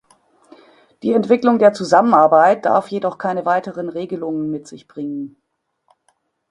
Die Entwicklung der Zusammenarbeit darf jedoch keine weiteren Regelungen mit sich bringen.